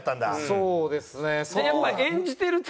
そうですね。